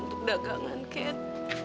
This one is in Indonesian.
untuk dagangan ken